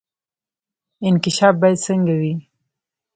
انکشاف باید څنګه وي؟